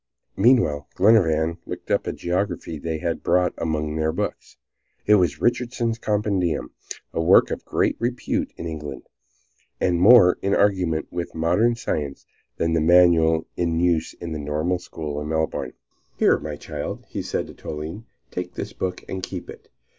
Meanwhile, Glenarvan looked up a geography they had brought among their books. It was "Richardson's Compendium," a work in great repute in England, and more in agreement with modern science than the manual in use in the Normal School in Melbourne. "Here, my child," he said to Toline, "take this book and keep it.